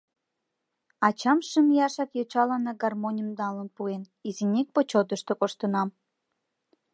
Ачам шым ияш йочаланак гармоньым налын пуэн, изинек почётышто коштынам.